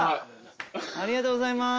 ありがとうございます！